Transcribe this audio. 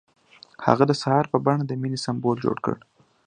هغه د سهار په بڼه د مینې سمبول جوړ کړ.